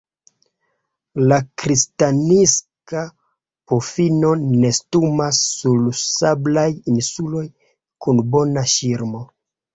La Kristnaska pufino nestumas sur sablaj insuloj kun bona ŝirmo.